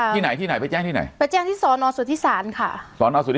ที่ไหนที่ไหนไปแจ้งที่ไหนไปแจ้งที่ถ่ายตัว